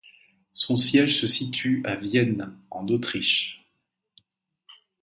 Son siège se situe à Vienne, en Autriche.